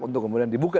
untuk kemudian dibuka